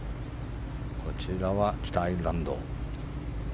こちらは北アイルランド。